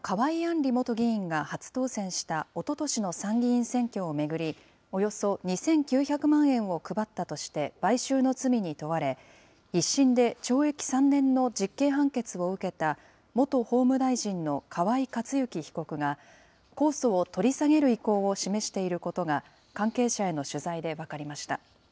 里元議員が初当選したおととしの参議院選挙を巡り、およそ２９００万円を配ったとして買収の罪に問われ、１審で懲役３年の実刑判決を受けた、元法務大臣の河井克行被告が、控訴を取り下げる意向を示していることが、関係者への取材で分かりました。